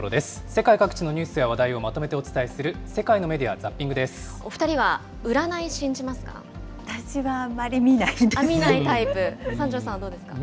世界各地のニュースや話題をまとめてお伝えする、世界のメディアお２人は占い、信じますか。